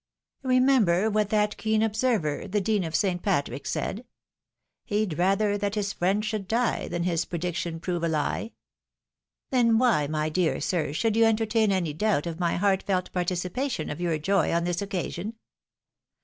Remember what that keen observer the Dean of St. Patrick said, He'd rather that his friend should die Thaa his prediction prove a lie. " Then why, my dear sir, should you entertain any doubt of my heartfelt participation of your joy on this occasion.